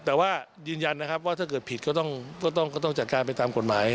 แต่ว่ายืนยันนะครับว่าถ้าเกิดผิดก็ต้องจัดการไปตามกฎหมาย